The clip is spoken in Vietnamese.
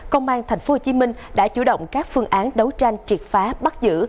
công an tp hcm đã chủ động các phương án đấu tranh triệt phá bắt giữ